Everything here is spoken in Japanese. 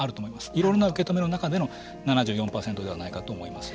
いろんな受け止めの中での７４％ではないかと思います。